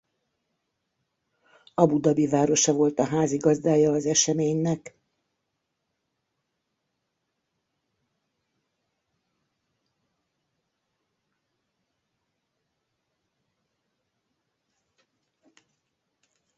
Abu-Dzabi városa volt a házigazdája az eseménynek.